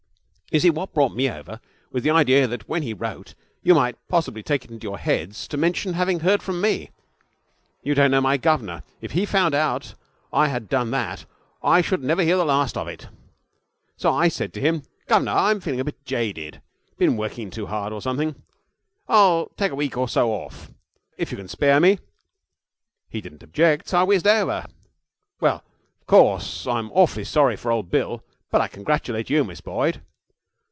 You see, what brought me over was the idea that when he wrote you might possibly take it into your heads to mention having heard from me. You don't know my governor. If he found out I had done that I should never hear the last of it. So I said to him: "Gov'nor, I'm feeling a bit jaded. Been working too hard, or something. I'll take a week or so off, if you can spare me." He didn't object, so I whizzed over. Well, of course, I'm awfully sorry for old Bill, but I congratulate you, Miss Boyd.'